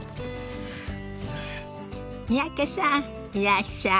三宅さんいらっしゃい。